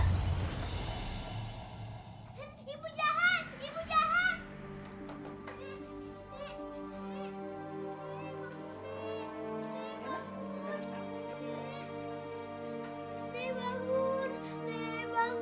is harus bekerja kebuatan pada channel ike jeava bikin ruang di jalan ini izin